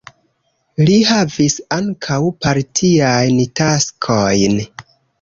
Li havis ankaŭ partiajn taskojn.